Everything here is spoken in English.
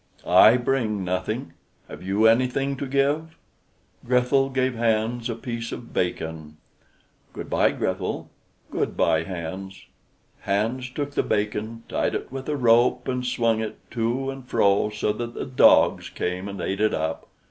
"I bring nothing. Have you anything to give?" Grethel gave Hans a piece of bacon. "Good by, Grethel." "Good by, Hans." Hans took the bacon, tied it with a rope, and swung it to and fro so that the dogs came and ate it up.